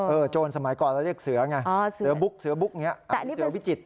เออโจรสมัยก่อนเราเรียกเสือไงเสือบุ๊กเสือบุ๊กอย่างนี้